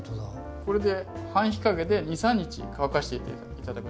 これで半日陰で２３日乾かして頂く。